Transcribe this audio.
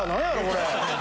これ。